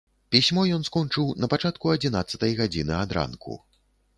Пісьмо ён скончыў на пачатку адзінаццатай гадзіны ад ранку.